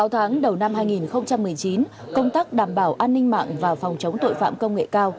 sáu tháng đầu năm hai nghìn một mươi chín công tác đảm bảo an ninh mạng và phòng chống tội phạm công nghệ cao